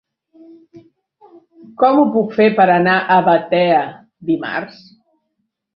Com ho puc fer per anar a Batea dimarts?